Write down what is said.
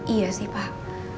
iya sih pak